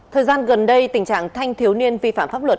thời gian gần đây tình trạng thanh thiếu niên vi phạm pháp luật